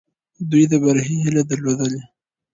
دوی د بري هیله درلودلې.